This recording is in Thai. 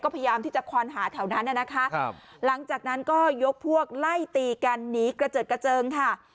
พยายามที่จะควานหาแถวนั้นน่ะนะคะครับหลังจากนั้นก็ยกพวกไล่ตีกันหนีกระเจิดกระเจิงค่ะ